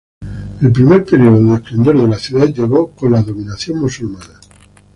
El primer periodo de esplendor de la ciudad llegó con la dominación musulmana.